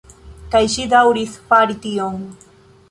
Kaj ŝi daŭris fari tion.